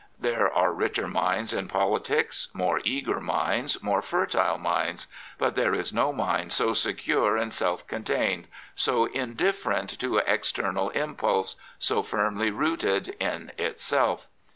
There are richer minds in politics, more eager minds, more fertile minds; but there is no mind so secure and self contained, so indifferent to external impulse, so firmly rooted in itself.